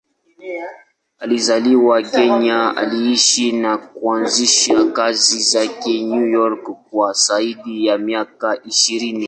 Alizaliwa Kenya, aliishi na kuanzisha kazi zake New York kwa zaidi ya miaka ishirini.